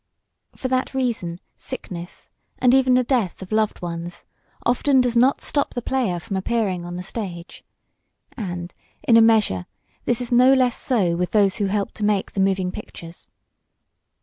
For that reason sickness, and even the death of loved ones, often does not stop the player from appearing on the stage. And, in a measure, this is no less so with those who help to make the moving pictures.